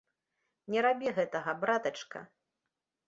Не рабі гэтага, братачка!